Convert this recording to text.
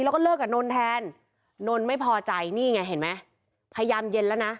แล้วก็เลิกกับนนท์แทนนนไม่พอใจนี่ไงเห็นไหมพยายามเย็นแล้วนะ